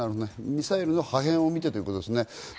ミサイルの破片を見てということですね。